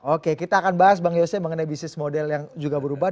oke kita akan bahas bang yose mengenai bisnis model yang juga berubah